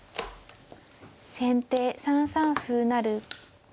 先手３三歩成。